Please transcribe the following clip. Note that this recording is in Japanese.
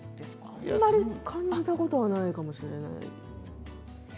あまり感じたことがないかもしれない。